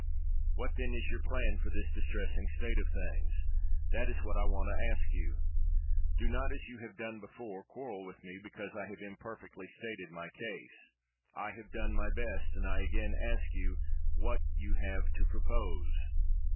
"What, then, is your plan for this distressing state of things? That is what I want to ask you. Do not, as you have done before, quarrel with me because I have imperfectly stated my case; I have done my best, and I again ask you what you have to propose